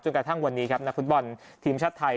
กระทั่งวันนี้ครับนักฟุตบอลทีมชาติไทย